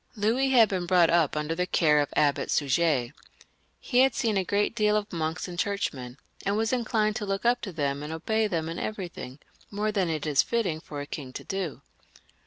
Louis had been brought up under the care of the Abbot Suger, of whom I spoke in the last chapter. He had seen a great deal of monks and Churchmen, and was inclined to look up to them and obey them in everything, moro than it is fitting for a king to do.